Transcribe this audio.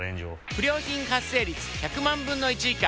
不良品発生率１００万分の１以下。